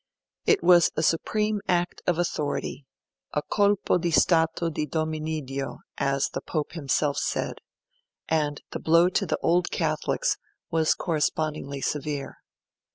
It was a supreme act of authority a 'colpo di stato di Dominiddio', as the Pope himself said and the blow to the Old Catholics was correspondingly severe.